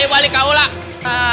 ayo balik kau lah